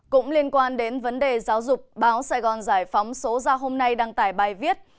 cũng liên quan đến vấn đề giáo dục báo sài gòn giải phóng số ra hôm nay đăng tải bài viết